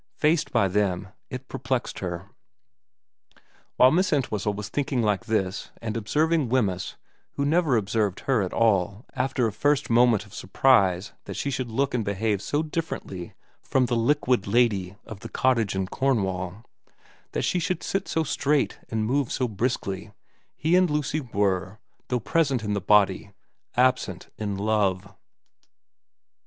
Faced by them, it perplexed her. While Miss Entwhistle was thinking like this and observing Wemyss, who never observed her at all after a first moment of surprise that she should look and behave so differently from the liquid lady of the cottage in Cornwall, that she should sit so straight and move so briskly, he and Lucy were, though present in the body, absent in love.